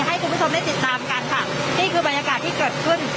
ให้คุณผู้ชมได้ติดตามกันค่ะนี่คือบรรยากาศที่เกิดขึ้น